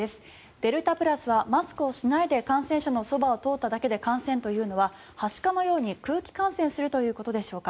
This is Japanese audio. デルタプラスはマスクをしないで感染者のそばを通っただけで感染というのははしかのように空気感染するということでしょうか？